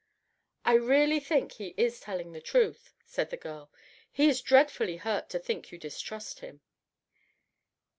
"I really think he is telling the truth," said the girl. "He is dreadfully hurt to think you distrust him."